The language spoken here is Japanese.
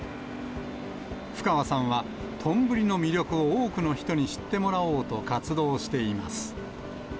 ふかわさんは、とんぶりの魅力を多くの人に知ってもらおうと、活動しています。